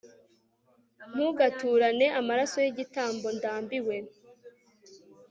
ntugaturane amaraso y igitambo ntambiwe